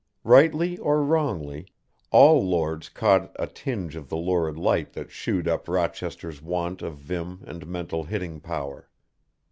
Rightly or wrongly, all Lords caught a tinge of the lurid light that shewed up Rochester's want of vim and mental hitting power.